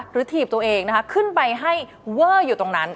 ถีบตัวเองนะคะขึ้นไปให้เวอร์อยู่ตรงนั้น